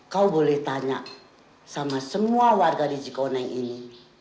kau boleh tanya sama semua warga di cikone ini